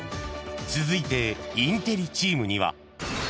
［続いてインテリチームには］